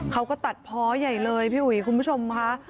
เขาก็ตัดเพาะใหญ่เลยพี่อุ๋ยคุณผู้ชมค่ะ